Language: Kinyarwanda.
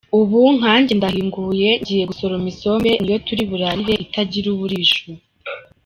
Ubu nkajye ndahinguye ngiye gusoroma isombe ni yo turi burarire itagira uburisho.